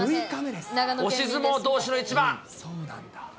押し相撲どうしの一番。